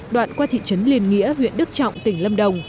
đoạn qua thị trấn liên nghĩa huyện đức trọng tỉnh lâm đồng